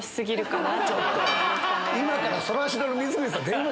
今から。